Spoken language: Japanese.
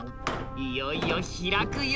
いよいよ開くよ。